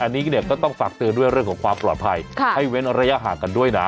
อันนี้เนี่ยก็ต้องฝากเตือนด้วยเรื่องของความปลอดภัยให้เว้นระยะห่างกันด้วยนะ